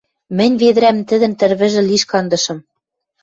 Мӹнь ведӹрӓм тӹдӹн тӹрвӹжӹ лиш кандышым.